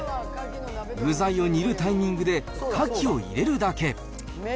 具材を煮るタイミングでカキを入れるだけ。